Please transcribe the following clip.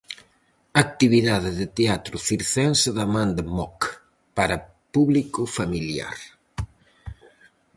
Actividade de teatro circense da man de Moc, para público familiar.